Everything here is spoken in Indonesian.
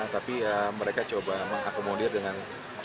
tapi ya mereka coba mengakomodir dengan